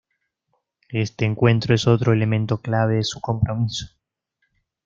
Este encuentro es otro elemento clave de su compromiso.